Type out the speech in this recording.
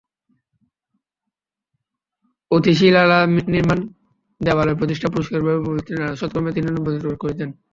অতিথিশালানির্মাণ, দেবালয়প্রতিষ্ঠা, পুষ্করিণীখনন প্রভৃতি নানা সৎকর্মে তিনি ধনব্যয় করিতেন।